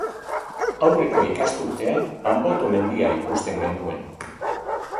Aurreko ikasturtean Anboto mendia ikusten genuen.